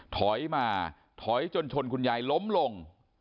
ถอยมาถอยจนชนคุณยายล้มลง